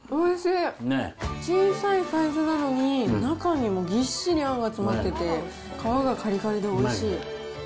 小さいサイズなのに、中にもぎっしりあんが詰まってて、皮がかりかりでおいしい。